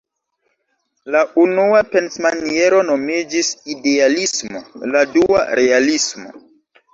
La unua pensmaniero nomiĝis "Idealismo", la dua "Realismo".